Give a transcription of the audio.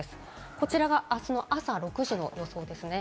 こちらがあすの朝６時の予想です。